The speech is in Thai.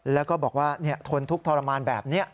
แล้วก็บอกว่าทนทุกข์ทรมานแบบนี้